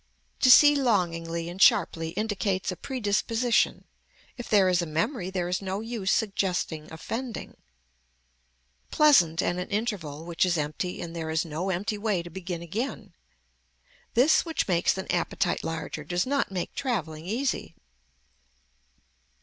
To see longingly and sharply indicates a predisposition. If there is a memory there is no use suggesting offending. Pleasant and an interval which is empty and there is no empty way to begin again. This which makes an appetite larger does make travelling easy.